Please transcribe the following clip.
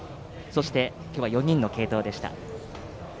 そして今日は４人の継投でした。